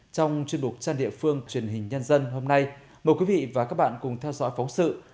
trong chuyên mục trang địa phương truyền hình nhân dân hôm nay mời quý vị và các bạn cùng theo dõi phóng sự